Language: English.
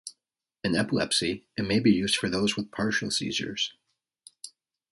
In epilepsy it may be used for those with partial seizures.